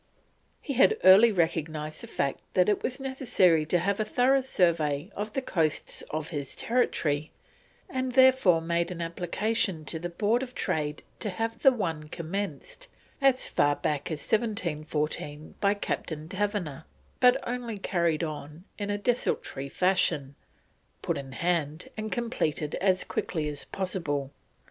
He had early recognised the fact that it was necessary to have a thorough survey of the coasts of his territory, and therefore made an application to the Board of Trade to have the one commenced as far back as 1714 by Captain Taverner, but only carried on in a desultory fashion, put in hand and completed as quickly as possible.